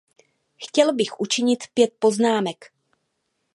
Chtěl bych učinit pět poznámek.